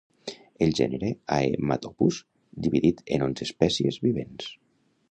El gènere Haematopus, dividit en onze espècies vivents.